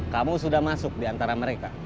kamu sudah masuk diantara mereka